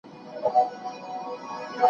د انسان طبعي اړتیاوې باید په پام کي ونیول سي.